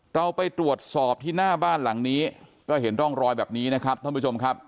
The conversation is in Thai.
เราไปตรวจสอบที่หน้าบ้านหลังนี้ก็เห็นร่องรอยแบบนี้นะครับท่านผู้ชมครับ